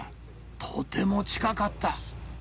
とても近かった。